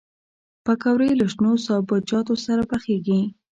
پکورې له شنو سابهجاتو سره پخېږي